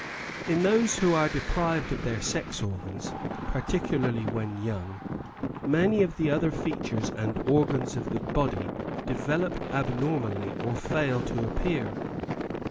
In those who are deprived of their sex organs, par ticularly when young, many of the other features and Sleep 6i organs of the body develop abnormally or fail to appear.